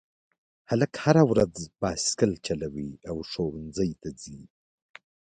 هلک هره ورځ بایسکل چلوي او ښوونځي ته ځي